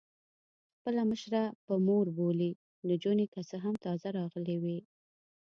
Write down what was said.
خپله مشره په مور بولي، نجونې که څه هم تازه راغلي وې.